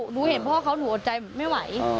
หนูเห็นพ่อเขาหนูอดใจไม่ไหว